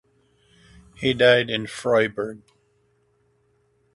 He died in Freiburg.